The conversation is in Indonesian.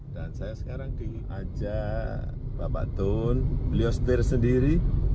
dan saya sekarang ingin ajak bapak tun beliau setir sendiri